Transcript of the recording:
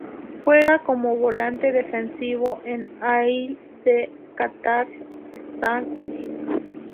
Juega como volante defensivo en Al-Ahli de la Qatar Stars League.